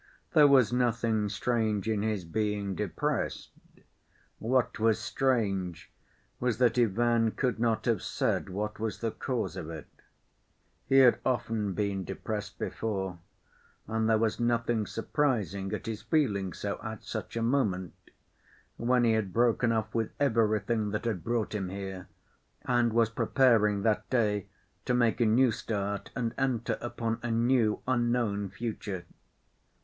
There was nothing strange in his being depressed; what was strange was that Ivan could not have said what was the cause of it. He had often been depressed before, and there was nothing surprising at his feeling so at such a moment, when he had broken off with everything that had brought him here, and was preparing that day to make a new start and enter upon a new, unknown future.